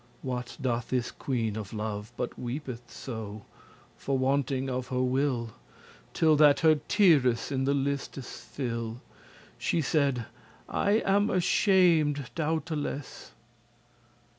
what doth this queen of love? But weepeth so, for wanting of her will, Till that her teares in the listes fill* *fall She said: "I am ashamed doubteless."